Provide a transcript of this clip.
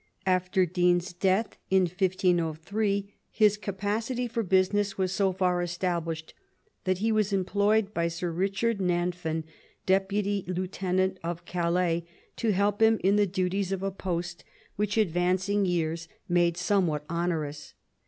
After Dean's death in 1503, his capacity for business was so far established that he was employed by Sir Richard Nanf an, Deputy Lieutenant of Calais, to help him in the duties of a post which advancing years made 20 THOMAS WOLSEY chap. somewhat onerous.